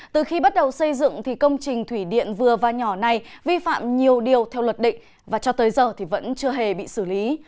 từ khi bắt đầu xây dựng thì công trình thủy điện vừa và nhỏ này vi phạm nhiều điều theo luật định và cho tới giờ thì vẫn chưa hề bị xử lý